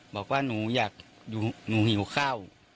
บอกว่าน่าหนูหิวข้าว